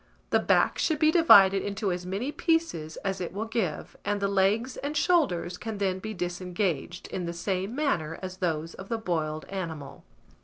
The back should be divided into as many pieces as it will give, and the legs and shoulders can then be disengaged in the same manner as those of the boiled animal.